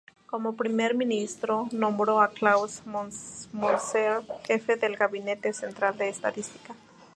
Como Primer Ministro, nombró a Claus Moser jefe del Gabinete central de Estadística.